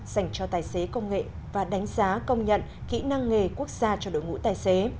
dành cho tài xế công nghệ và đánh giá công nhận kỹ năng nghề quốc gia cho đội ngũ tài xế